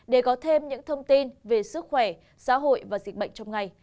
để có thêm những thông tin về sức khỏe xã hội và dịch bệnh trong ngày